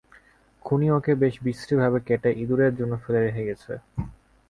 খুনি ওকে বেশ বিশ্রীভাবে কেটে ইঁদুরের জন্য ফেলে রেখে গেছে।